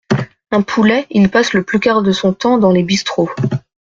Un poulet, il passe le plus clair de son temps dans les bistrots.